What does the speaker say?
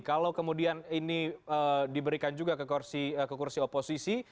kalau kemudian ini diberikan juga ke kursi oposisi